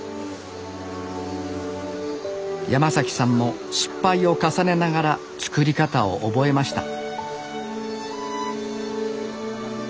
山さんも失敗を重ねながら作り方を覚えました